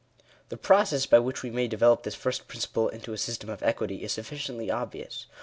The process by which we may develop this first principle into a system of equity, is sufficiently obvious.